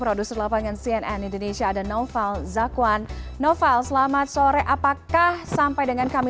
produser lapangan cnn indonesia dan novel zakwan novel selamat sore apakah sampai dengan kami